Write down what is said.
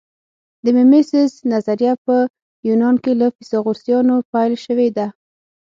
د میمیسیس نظریه په یونان کې له فیثاغورثیانو پیل شوې ده